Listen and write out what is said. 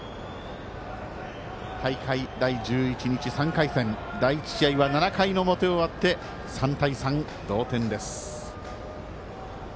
大会第１１日３回戦、第１試合は７回の表が終わって３対３の同点です。